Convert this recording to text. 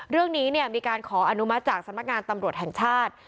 เรื่องนี้มีการขออนุมัติจากสำนักงานตำรวจแห่งชาติ